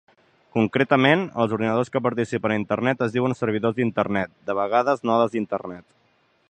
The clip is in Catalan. Concretament, els ordinadors que participen a Internet es diuen servidors d'Internet, de vegades nodes d'Internet.